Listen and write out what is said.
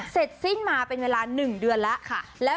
เสร็จสิ้นมาเป็นเวลา๑เดือนแล้วค่ะ